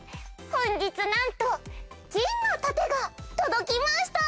本日なんと銀の盾が届きました！